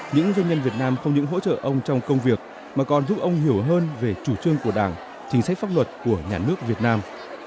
những doanh nhân việt nam không những hỗ trợ ông trong công việc mà còn giúp ông hiểu hơn về chủ trương của đảng chính sách pháp luật của nhà nước việt nam